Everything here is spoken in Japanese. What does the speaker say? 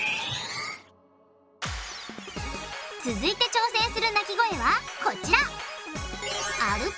続いて挑戦する鳴き声はこちら！